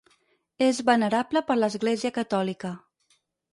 És venerable per l'Església catòlica.